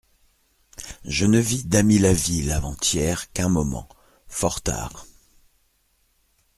Je ne vis Damilaville avant-hier qu'un moment, fort tard.